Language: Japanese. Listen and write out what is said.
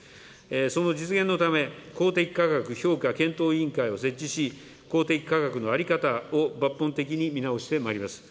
その実現のため、公的価格評価検討委員会を設置し、公的価格の在り方を抜本的に見直してまいります。